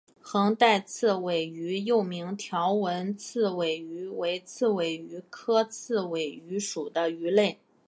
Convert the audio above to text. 横带刺尾鱼又名条纹刺尾鱼为刺尾鱼科刺尾鱼属的鱼类。